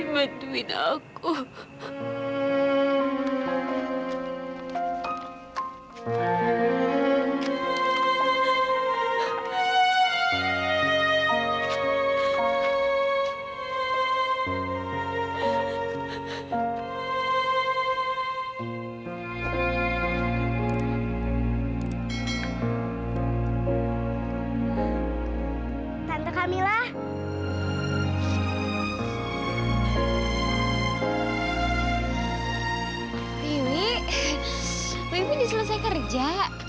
wih wih udah selesai kerja